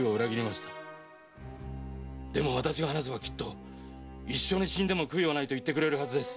でも私が話せばきっと「一緒に死んでも悔いはない」と言ってくれるはずです！